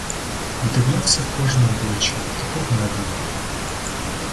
Вдивлявся в кожне обличчя — такого не було.